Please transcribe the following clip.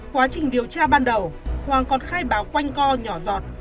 quá trình điều tra ban đầu hoàng còn khai báo quanh co nhỏ giọt